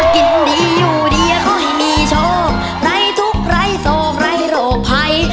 กินดีอยู่ดีก็ให้มีโชคไร้ทุกข์ไร้โศกไร้โรคภัย